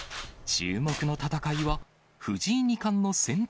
注目の戦いは、藤井二冠の先手